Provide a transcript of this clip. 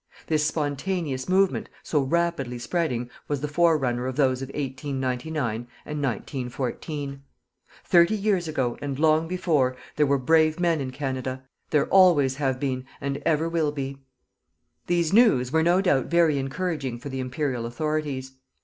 This spontaneous movement, so rapidly spreading, was the forerunner of those of 1899 and 1914. Thirty years ago, and long before, there were brave men in Canada. There always have been and ever will be. These news were no doubt very encouraging for the Imperial authorities.